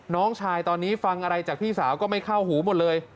น้องชายตอนนี้ฟังอะไรจากพี่สาวก็ไม่เข้าหูหมดเลย